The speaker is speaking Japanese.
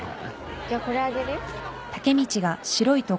じゃあこれあげるよ。